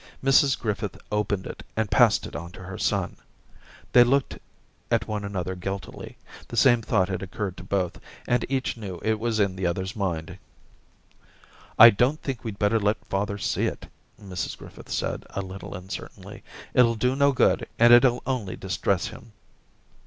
Mrs Griffith opened it, and passed it on to her son. They looked at one another guiltily ; the same thought 240 Orientatums had occurred to both, and each knew it was in the other^s mind. * I don't think we'd better let father see it,' Mrs Griffith said, a little uncertainly ;* it'll do no good and it'll only distress him.'